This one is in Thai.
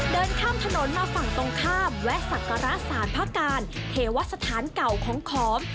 เดินข้ามถนนมาฝั่งตรงข้ามแวะสักการะสารพระการเทวสถานเก่าของขอม